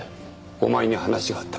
お前に話があった